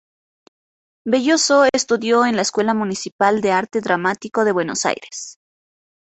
Belloso estudió en la Escuela Municipal de Arte Dramático de Buenos Aires.